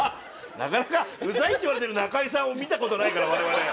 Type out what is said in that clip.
なかなか「ウザい」って言われてる中居さんを見たことないからわれわれ。